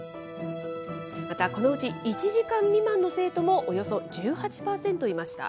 また、このうち１時間未満の生徒も、およそ１８％いました。